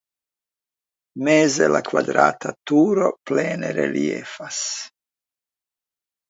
Meze la kvadrata turo plene reliefas.